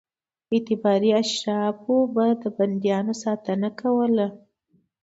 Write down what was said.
اعتباري اشرافو به د بندیانو ساتنه کوله.